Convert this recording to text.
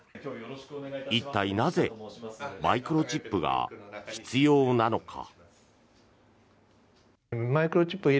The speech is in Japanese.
一体なぜマイクロチップが必要なのか。